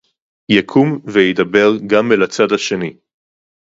יקום וידבר גם אל הצד השני